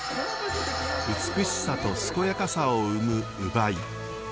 美しさと健やかさを生む烏梅。